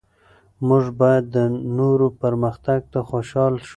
موږ باید د نورو پرمختګ ته خوشحال شو.